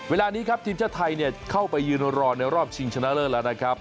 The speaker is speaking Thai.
เวลานี้ครับทีมชาติไทยเข้าไปยืนรอในรอบชิงชนะเลิศแล้วนะครับ